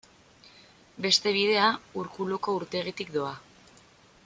Beste bidea, Urkuluko urtegitik doa.